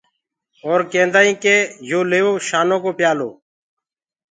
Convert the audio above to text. اور ڪيندآ هينٚ ڪي يو ليوو شانو ڪو پيآلو۔